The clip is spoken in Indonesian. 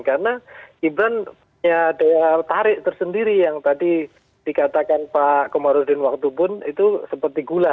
karena gibran ya dia tarik tersendiri yang tadi dikatakan pak komarudin waktu pun itu seperti gula